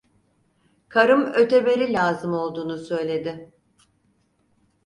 Karım öteberi lazım olduğunu söyledi.